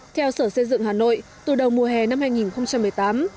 theo sở xây dựng hà nội từ đầu mùa hè năm hai nghìn một mươi tám